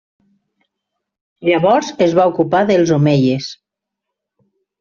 Llavors es va ocupar dels omeies.